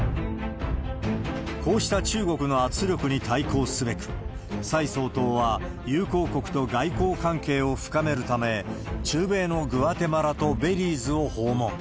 こうした中国の圧力に対抗すべく、蔡総統は友好国と外交関係を深めるため、中米のグアテマラとベリーズを訪問。